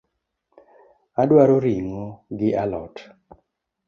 Adwaro ring’o gi a lot